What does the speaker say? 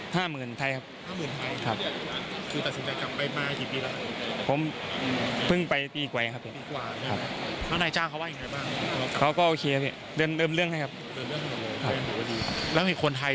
ตัวเนี่ยแพงไหมครับ